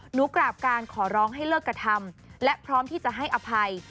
หนูกราบการขอร้องให้เลิกกระทำและพร้อมที่จะให้อภัย